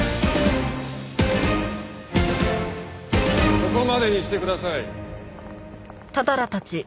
そこまでにしてください。